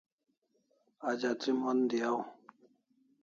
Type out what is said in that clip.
Ajati mon diaw